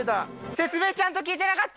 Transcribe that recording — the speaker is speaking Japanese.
説明ちゃんと聞いてなかった。